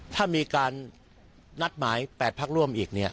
ถ้ามีการนัดหมาย๘พักร่วมอีกเนี่ย